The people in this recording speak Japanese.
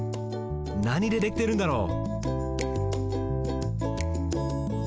なにでできてるんだろう？